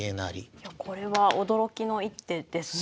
いやこれは驚きの一手ですね。